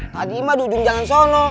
tadi mah duduk jalan sono